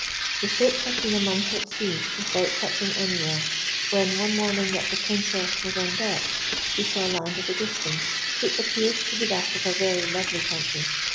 The ship had been a month at sea without touching anywhere, when one morning that the Princess was on deck she saw land at a distance, which appeared to be that of a very lovely country.